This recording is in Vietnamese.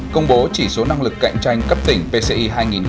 công bố chỉ số năng lực cạnh tranh cấp tỉnh pci hai nghìn hai mươi